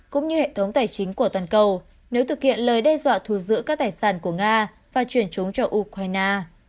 cũng như hệ thống tài chính của toàn cầu nếu thực hiện lời đe dọa thù giữ các tài sản của nga và chuyển chúng cho ukraine